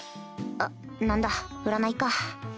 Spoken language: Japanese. あっ何だ占いか